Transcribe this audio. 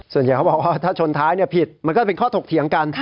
ส่วนใหญ่เขาบอกว่าถ้าชนท้ายผิดมันก็เป็นข้อถกเถียงกัน